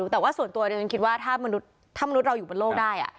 แต่ว่าส่วนตัวดิฉันคิดว่าถ้ามนุษย์เราอยู่บนโลกได้